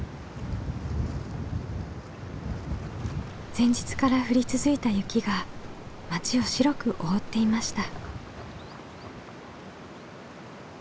前日から降り続いた雪が町を白く覆っていました。